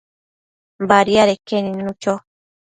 Badiadeque nidnu cho